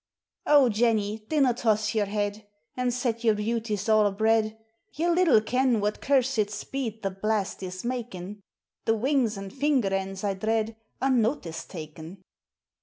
O Jenny, dinna loss your head. An' set ydur beauties a' abread ! Ye little ken what cursed speed The blastie 's niakin'! Thae winks and finger ends, I dread. Are notice takin'!